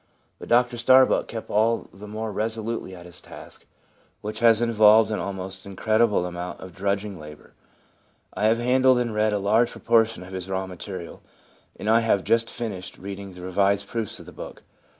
But Dr Starbuck kept all the more resolutely at his task, which has involved an almost incredible amount of drudging labour. I have handled and read a large proportion of his raw material, and I have just finished reading the revised proofs of the book.